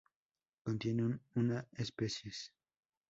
Contiene una especies